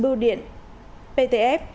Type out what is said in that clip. bưu điện ptf